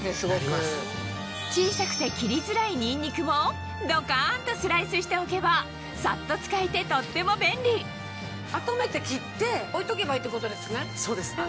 小さくて切りづらいニンニクもドッカンとスライスしておけばサッと使えてとっても便利そうです。